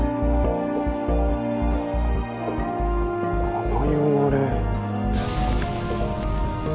この汚れ。